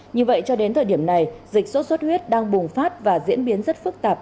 như vậy cho đến thời điểm này dịch sốt xuất huyết đang bùng phát và diễn biến rất phức tạp